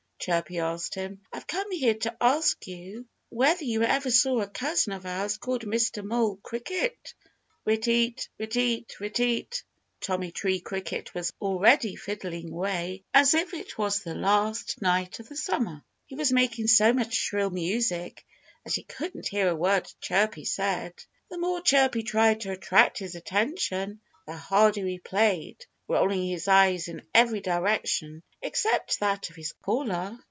Chirpy asked him. "I've come here to ask you whether you ever saw a cousin of ours called Mr. Mole Cricket." "Re teat! re teat! re teat!" Tommy Tree Cricket was already fiddling away as if it were the last night of the summer. He was making so much shrill music that he couldn't hear a word Chirpy said. The more Chirpy tried to attract his attention the harder he played, rolling his eyes in every direction except that of his caller.